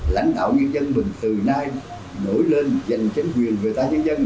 lãnh đạo nhân dân mình từ nay nổi lên giành chính quyền về tai nhân dân